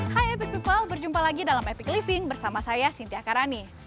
hai epic people berjumpa lagi dalam epic living bersama saya sinti akarani